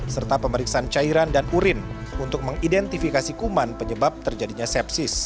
serta pemeriksaan cairan dan urin untuk mengidentifikasi kuman penyebab terjadinya sepsis